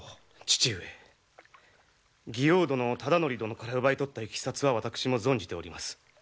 父上妓王殿を忠度殿から奪い取ったいきさつは私も存じております。